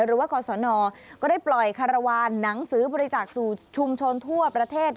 หรือว่ากศนก็ได้ปล่อยคารวาลหนังสือบริจาคสู่ชุมชนทั่วประเทศ